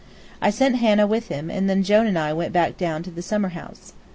I sent Hannah with him, and then Jone and I went back to the summer house.